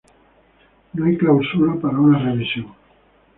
No hay cláusula para una revisión".